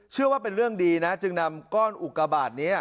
เชื่อว่าเป็นเรื่องดีนะจึงนำก้อนอุกบาทนี้